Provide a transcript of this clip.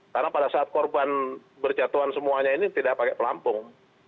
karena pada saat korban berjatuhan semuanya ini tidak pakai pelampung